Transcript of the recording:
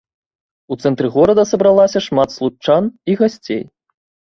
У цэнтры горада сабралася шмат случчан і гасцей.